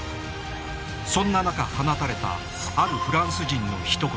そんな中放たれたあるフランス人のひと言。